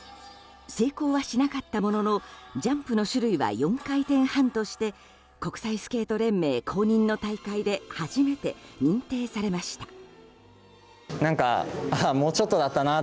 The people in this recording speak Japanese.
成功はしなかったもののジャンプの種類は４回転半として国際スケート連盟公認の大会で初めて認定されました。